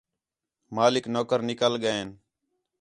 مالک، نوکر نِکل ڳئین